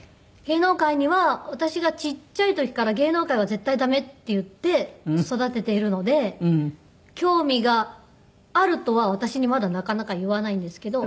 芸能界には私がちっちゃい時から「芸能界は絶対駄目」って言って育てているので興味があるとは私にまだなかなか言わないんですけど。